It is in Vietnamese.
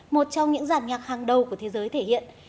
một trong những giàn nhạc hàng đầu của thế giới thể hiện